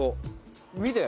「見て。